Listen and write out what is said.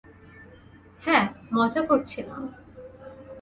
হ্যাঁ, মজা করছিলাম।